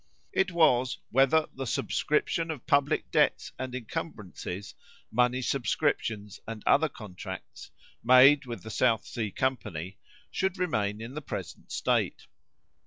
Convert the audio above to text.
It was, whether the subscription of public debts and encumbrances, money subscriptions, and other contracts, made with the South Sea company, should remain in the present state?"